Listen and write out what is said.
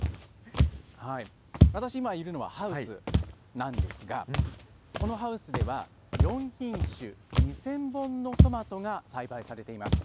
私、今いるのはハウスなんですが、このハウスでは、４品種２０００本のトマトが栽培されています。